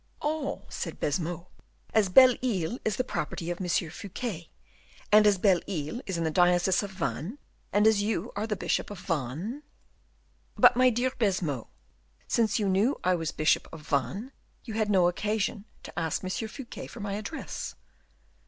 "Oh!" said Baisemeaux, "as Belle Isle is the property of M. Fouquet, and as Belle Isle is in the diocese of Vannes, and as you are bishop of Vannes " "But, my dear Baisemeaux, since you knew I was bishop of Vannes, you had no occasion to ask M. Fouquet for my address."